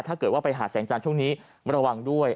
ถ้าเกิดว่าไปหาแสงจันทร์ช่วงนี้ระวังด้วย